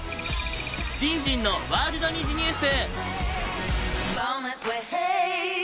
じんじんのワールド虹ニュース！